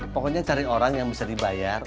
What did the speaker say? pokoknya cari orang yang bisa dibayar